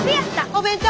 お弁当！